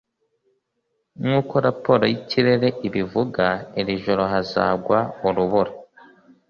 nk'uko raporo y'ikirere ibivuga, iri joro hazagwa urubura